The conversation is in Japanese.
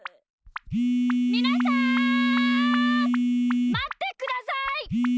みなさんまってください！